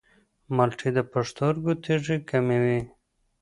مالټې د پښتورګو تیږې کموي.